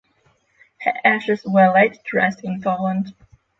Her ashes were laid to rest in Poland.